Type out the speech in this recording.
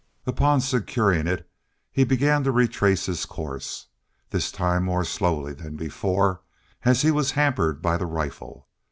Upon securing it he began to retrace his course, this time more slowly than before, as he was hampered by the rifle.